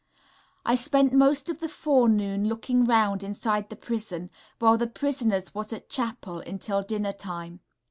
I spent most of the forenoon looking round inside the prison, while the prisoners was at chapel, until dinner time.